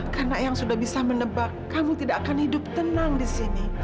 karena ayah sudah bisa menebak kamu tidak akan hidup tenang di sini